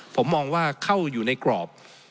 ผมมองว่าเข้าอยู่ในกรอบ